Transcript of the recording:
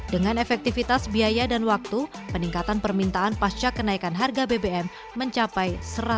dengan efektivitas biaya dan waktu peningkatan permintaan pasca kenaikan harga bbm mencapai